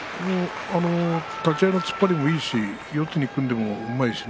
立ち合いの突っ張りもいいし右四つに組んでもうまいしね。